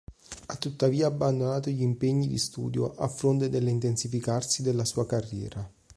Ha tuttavia abbandonato gli impegni di studio a fronte dell'intensificarsi della sua carriera.